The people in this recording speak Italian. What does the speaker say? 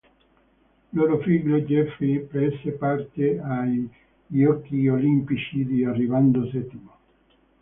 Loro figlio, Jeffrey, prese parte ai Giochi olimpici di arrivando settimo.